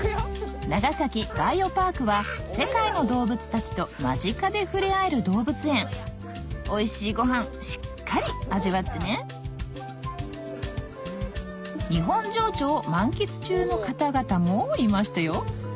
長崎バイオパークは世界の動物たちと間近で触れ合える動物園おいしいごはんしっかり味わってね日本情緒を満喫中の方々もいましたよ